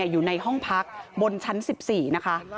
อยู่ในห้องพักบนชั้น๑๔นะคะ